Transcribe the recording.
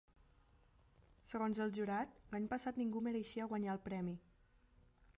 Segons el jurat, l'any passat ningú mereixia guanyar el premi.